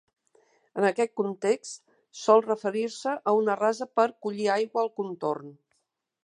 En aquest context, sol referir-se a una rasa per collir aigua al contorn.